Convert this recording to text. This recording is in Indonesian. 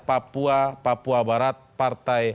papua papua barat partai